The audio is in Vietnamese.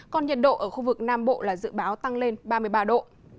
còn nhiệt độ ở khu vực nam bộ là dự báo tăng lên ba mươi ba độ